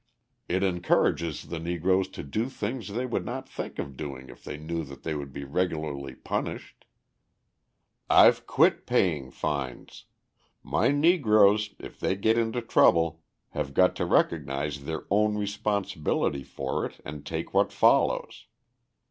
It encourages the Negroes to do things they would not think of doing if they knew they would be regularly punished. I've quit paying fines; my Negroes, if they get into trouble, have got to recognise their own responsibility for it and take what follows.